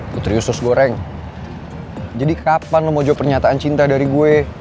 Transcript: putri usus goreng jadi kapan lo mau jawab pernyataan cinta dari gue